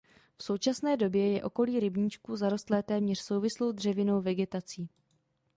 V současné době je okolí rybníčků zarostlé téměř souvislou dřevinou vegetací.